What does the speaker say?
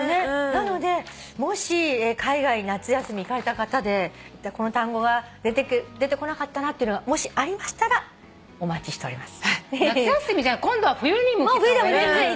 なのでもし海外夏休み行かれた方でこの単語が出てこなかったなというのがもしありましたらお待ちしております。